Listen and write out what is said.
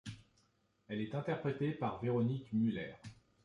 Elle est interprétée par Véronique Müller.